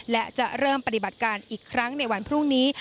และจะเริ่มปฏิบัติการอีกครั้งในวันพรุ่งนี้